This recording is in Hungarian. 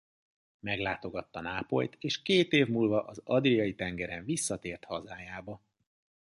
Meglátogatta Nápolyt és két év múlva az adriai tengeren visszatért hazájába.